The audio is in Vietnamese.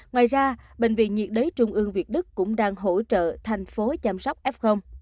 ngoài ra bệnh viện nhiệt đới trung ương việt đức cũng đang hỗ trợ thành phố chăm sóc f